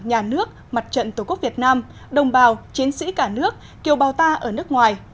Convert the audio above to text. nhà nước mặt trận tổ quốc việt nam đồng bào chiến sĩ cả nước kiều bào ta ở nước ngoài